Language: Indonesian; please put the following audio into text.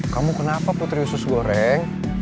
kamu kenapa putri usus goreng